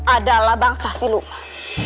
adalah bangsa siluman